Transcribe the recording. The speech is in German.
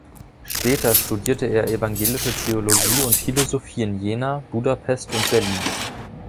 Später studierte er Evangelische Theologie und Philosophie in Jena, Budapest und Berlin.